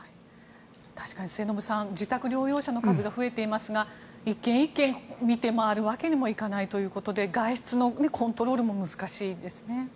確かに末延さん自宅療養者の数が増えていますが１軒１軒見て回るわけにもいかなくて外出のコントロールが難しいですね。